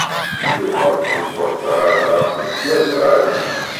Yuba yewweḍ-d ɣer da s tesnasɣalt.